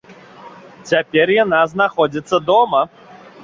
Цяпер яна знаходзіцца дома.